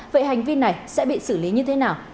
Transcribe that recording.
vậy hành vi này sẽ bị xử lý như thế nào